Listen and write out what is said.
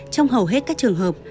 trong hầu hết các trường hợp